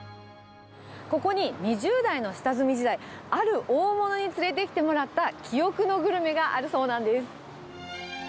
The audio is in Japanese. ここに２０代の下積み時代、ある大物に連れてきてもらった記憶のグルメがあるそうなんです。